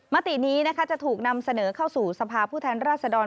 มตินี้นะคะจะถูกนำเสนอเข้าสู่สภาพผู้แทนราชดร